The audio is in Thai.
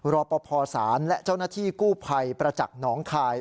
รอปภศาลและเจ้าหน้าที่กู้ภัยประจักษ์หนองคาย